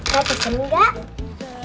mau pesen enggak